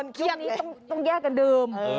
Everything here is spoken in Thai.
ตอนนี้ต้องแยกกันดื่ม